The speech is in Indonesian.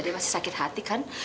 dia masih sakit hati kan